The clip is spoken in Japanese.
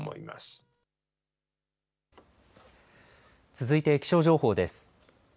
続いて気象情報です。